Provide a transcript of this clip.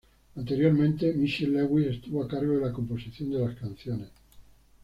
Anteriormente, Michelle Lewis estuvo a cargo de la composición de las canciones.